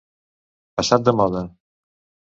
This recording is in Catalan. Passat de moda.